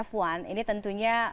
f satu ini tentunya